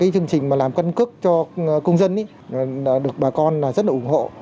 chương trình làm căn cước cho công dân được bà con rất ủng hộ